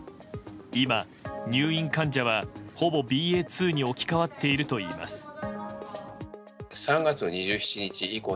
今、入院患者はほぼＢＡ．２に置き換わっているといいます。